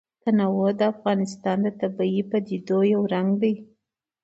تنوع د افغانستان د طبیعي پدیدو یو رنګ دی.